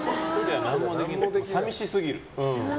寂しすぎる。